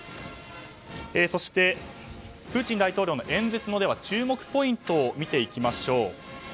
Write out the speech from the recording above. そして、プーチン大統領の演説の注目ポイントを見ていきましょう。